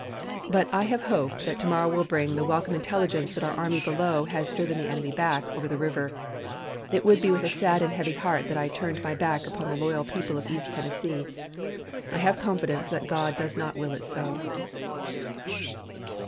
But I have hope that to morrow will bring the welcome intelligence that our army below has driven the enemy back over the river. It would be with a sad and heavy heart that I turned my back upon the loyal people of East Tennessee. I have confidence that God does not will it so."